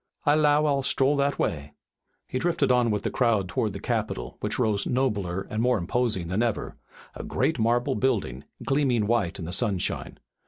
I 'low I'll stroll that way." He drifted on with the crowd toward the Capitol, which rose nobler and more imposing than ever, a great marble building, gleaming white in the sunshine.